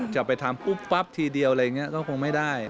จะไปทำปุ๊บปั๊บทีเดียวอะไรอย่างนี้ก็คงไม่ได้